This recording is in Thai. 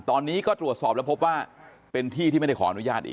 ตอนนี้ก็ตรวจสอบแล้วพบว่าเป็นที่ที่ไม่ได้ขออนุญาตอีก